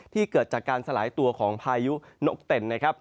เกิดจากการสลายตัวของพายุนกเต็นนะครับ